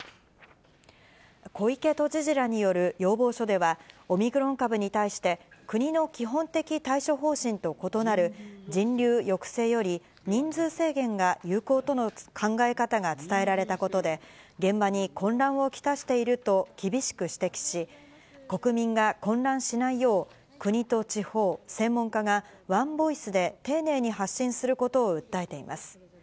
小池都知事らによる要望書では、オミクロン株に対して、国の基本的対処方針と異なる人流抑制より人数制限が有効との考え方が伝えられたことで、現場に混乱を来していると厳しく指摘し、国民が混乱しないよう、国と地方、専門家がワンボイスで丁寧に発信することを訴えています。